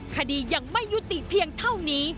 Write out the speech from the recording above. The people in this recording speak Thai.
คดียังไม่ยุติเพียงเท่านี้